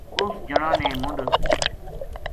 اُس جناں نے منڈھ